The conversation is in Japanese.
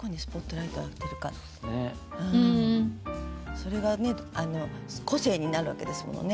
それが個性になるわけですものね。